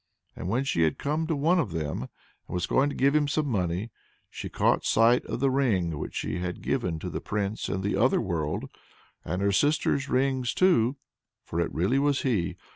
And when she had come to one of them, and was going to give him some money, she caught sight of the ring which she had given to the Prince in the other world, and her sisters' rings too for it really was he.